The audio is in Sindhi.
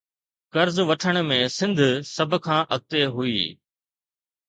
قرض وٺڻ ۾ سنڌ سڀ کان اڳتي هئي